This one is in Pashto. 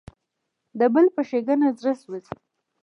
د بل په ښېګڼه زړه سوځي.